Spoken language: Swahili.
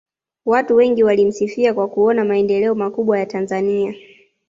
watu wengi walimsifia kwa kuona maendeleo makubwa ya tanzania